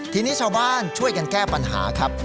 ทีนี้ชาวบ้านช่วยกันแก้ปัญหาครับ